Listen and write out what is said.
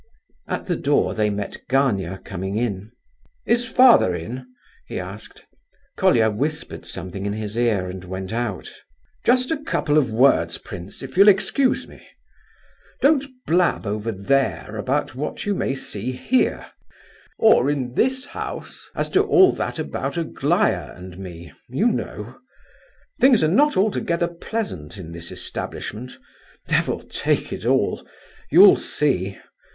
At the door they met Gania coming in. "Is father in?" he asked. Colia whispered something in his ear and went out. "Just a couple of words, prince, if you'll excuse me. Don't blab over there about what you may see here, or in this house as to all that about Aglaya and me, you know. Things are not altogether pleasant in this establishment—devil take it all! You'll see.